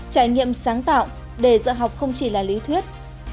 trải nghiệm sáng tạo để dựa học không chỉ là lý thuyết